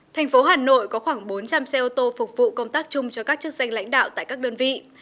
thành phố hà nội có khoảng bốn trăm linh xe ô tô phục vụ công tác chung cho các chức danh lãnh đạo tại các đơn vị